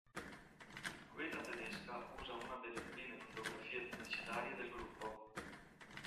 Quella tedesca usa una delle prime fotografie pubblicitarie del gruppo.